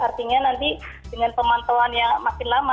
artinya nanti dengan pemantauan yang makin lama